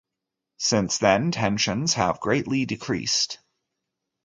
Since then, tensions have greatly decreased.